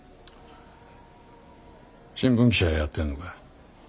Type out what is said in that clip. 新聞記者やってんのか？